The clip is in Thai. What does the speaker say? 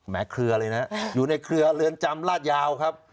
เครือเลยนะอยู่ในเครือเรือนจำลาดยาวครับ